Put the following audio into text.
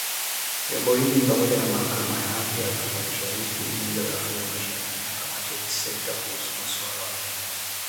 Vyombo hivi ni pamoja na Mahakama ya Haki ya Afrika Mashariki, Bunge la Afrika Mashariki na kamati za kisekta kuhusu masuala muhimu.